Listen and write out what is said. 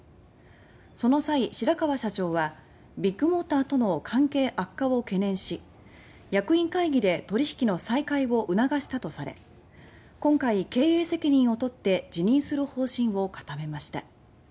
その際、白川社長はビッグモーターとの関係悪化を懸念し役員会議で取引の再開を促したとされ今回、経営責任を取って辞任する方針を固めました。